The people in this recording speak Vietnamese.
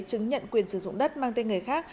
chứng nhận quyền sử dụng đất mang tên người khác